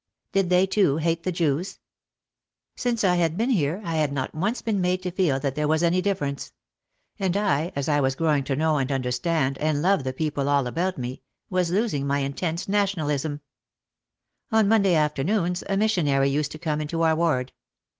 Did they too hate the Jews ? Since I had been here I had not once been made to feel that there was any difference. And I, as I was growing to know and understand and love the people all about me, was losing my intense nationalism. On Monday afternoons a missionary used to come into our ward.